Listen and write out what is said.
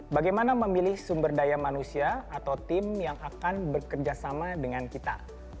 bagaimana memilih sumber daya manusia atau tim yang akan bekerjasama dengan kita